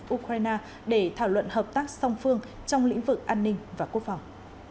ukraine để thảo luận hợp tác song phương trong lĩnh vực an ninh và quốc phòng